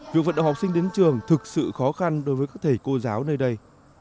việc vận động học sinh đến trường thực sự khó khăn đối với các thầy cô giáo nơi đây